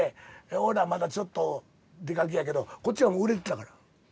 おいらまだちょっと出かけやけどこっちは売れてたから。